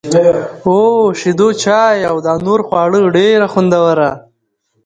او شېدو چای او دانور خواړه ډېره خوندوره